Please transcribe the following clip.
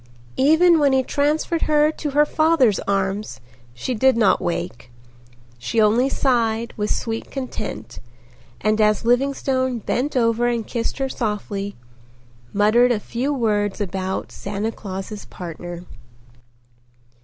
Even when he transferred her to her father's arms she did not wake. She only sighed with sweet content and as Livingstone bent over and kissed her softly, muttered a few words about "Santa Claus's partner."